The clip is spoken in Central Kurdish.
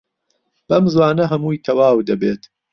بەم زووانە هەمووی تەواو دەبێت.